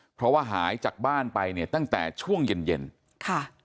เพราะว่าหายจากบ้านไปเนี่ยตั้งแต่ช่วงเย็นเย็นค่ะ